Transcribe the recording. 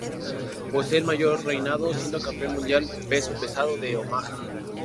Posee el mayor reinado siendo Campeón Mundial Peso Pesado de Omaha.